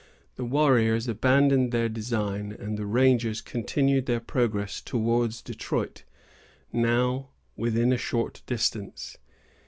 The warriors abandoned their design, and the rangers continued their progress towards Detroit, now within a short distance.